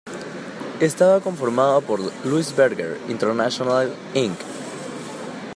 Estaba conformado por "Louis Berger International Inc.